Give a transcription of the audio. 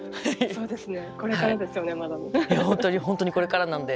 そうですね。